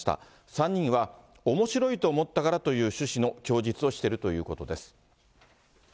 ３人はおもしろいと思ったからという趣旨の供述をしているということです。